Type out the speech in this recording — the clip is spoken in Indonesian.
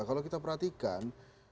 kalau kita perhatikan